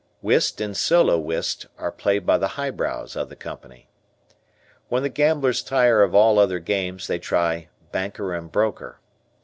Whist and Solo Whist are played by the high brows of the Company. When the gamblers tire of all other games they try "Banker and Broker."